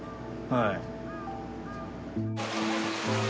はい。